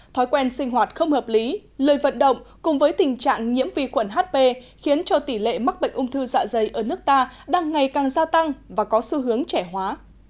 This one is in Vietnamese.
thói quen sinh hoạt không hợp lý lười vận động cùng với tình trạng nhiễm vi khuẩn hp khiến cho tỷ lệ mắc bệnh ung thư dạ dày ở nước ta đang ngày càng gia tăng và có xu hướng trẻ hóa